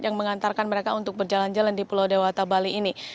yang mengantarkan mereka untuk berjalan jalan di pulau dewata bali ini